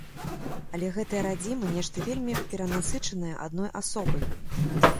Але гэтая радзіма нешта вельмі перанасычаная адной асобай.